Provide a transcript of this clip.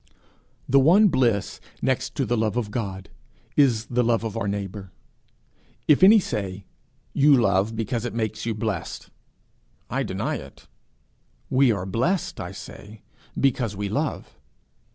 The one bliss, next to the love of God, is the love of our neighbour. If any say, 'You love because it makes you blessed,' I deny it: 'We are blessed, I say, because we love.'